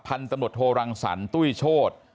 พันตมตโทรรังสรรค์ตุ้ยโชฎ